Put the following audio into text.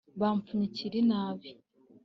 bamfunyikira inabi!